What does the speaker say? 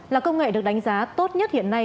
là công nghệ được đánh giá tốt nhất hiện nay